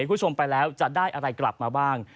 คุณผู้ชมไปแล้วจะได้อะไรกลับมาบ้าง